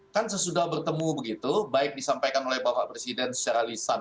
kan sesudah bertemu begitu baik disampaikan oleh bapak presiden secara lisan